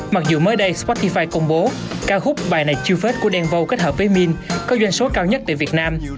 mặc dù mới đây spotify công bố ca khúc bài này chiêu phết của đen vâu kết hợp với min có doanh số cao nhất tại việt nam